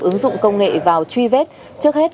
ứng dụng công nghệ vào truy vết trước hết